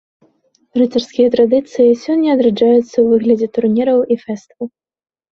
Рыцарскія традыцыі сёння адраджаюцца ў выглядзе турніраў і фэстаў.